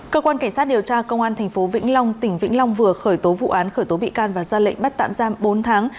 cơ quan cảnh sát điều tra công an tp vĩnh long tỉnh vĩnh long vừa khởi tố vụ án khởi tố bị can và ra lệnh bắt tạm giam bốn tháng